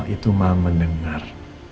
allah itu mama mendengar